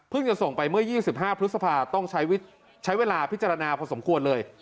จะส่งไปเมื่อ๒๕พฤษภาต้องใช้เวลาพิจารณาพอสมควรเลย